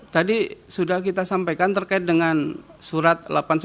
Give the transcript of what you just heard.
tadi sudah kita sampaikan terkait dengan surat delapan puluh sembilan